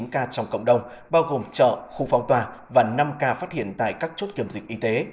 một sáu mươi chín ca trong cộng đồng bao gồm chợ khu phong tòa và năm ca phát hiện tại các chốt kiểm dịch y tế